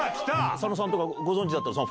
佐野さんご存じだったんですか？